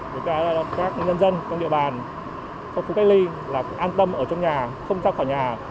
các nhân dân trong địa bàn trong khu cách ly là an tâm ở trong nhà không ra khỏi nhà